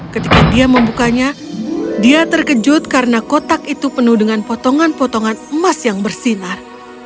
ketika dia membukanya dia terkejut karena kotak itu penuh dengan potongan potongan emas yang bersinar